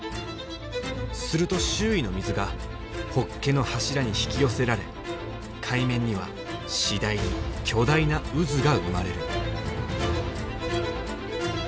すると周囲の水がホッケの柱に引き寄せられ海面には次第に巨大な渦が生まれる。